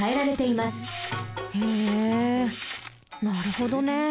なるほどね。